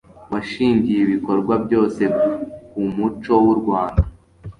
washingiye ibikorwa byose ku muco w' u rwanda